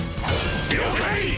了解！